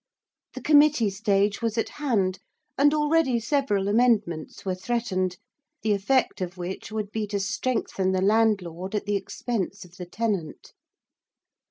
The committee stage was at hand, and already several amendments were threatened, the effect of which would be to strengthen the landlord at the expense of the tenant.